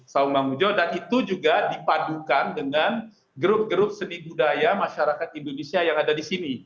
saung mamuju dan itu juga dipadukan dengan grup grup seni budaya masyarakat indonesia yang ada di sini